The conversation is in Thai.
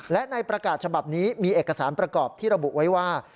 และในประกาศฉบับนี้มีเอกสารประกอบที่ระบุไว้ว่า